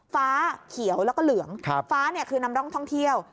ฟ้าเขียวแล้วก็เหลืองฟ้าเนี่ยคือนำร่องท่องเที่ยว